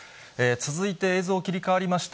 続いて、映像切り替わりました。